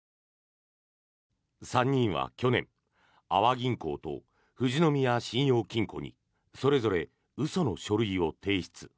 ３人は去年阿波銀行と富士宮信用金庫にそれぞれ嘘の書類を提出。